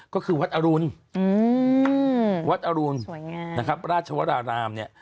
ก็คือวัดอรุณวัดอรุณสวยงามนะครับราชวรารามเนี่ย